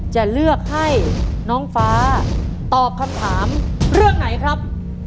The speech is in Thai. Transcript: จะเลือกให้น้องฟ้าตอบคำถามเรื่องไหนครับ